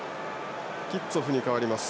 キッツォフと代わります。